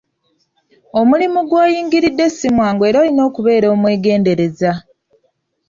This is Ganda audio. Omulimu gw'oyingiridde si mwangu era olina okubeera omwegendereza.